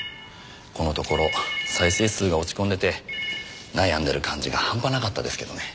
このところ再生数が落ち込んでて悩んでる感じがハンパなかったですけどね。